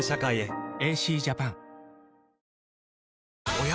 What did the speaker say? おや？